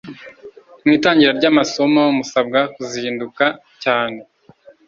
Mu itangira rya amasomo musabwa kuzinduka cyane